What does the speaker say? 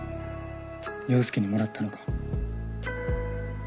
陽佑にもらったのか？